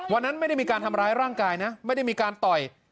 วันนั้นไม่ได้มีการทำร้ายร่างกายนะไม่ได้มีการต่อย